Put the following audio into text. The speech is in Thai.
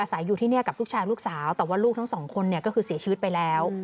ใส่อยู่ที่นี่กับลูกชายลูกสาวแต่ว่าลูกทั้งสองคนเนี่ยก็คือเสียชีวิตไปแล้ว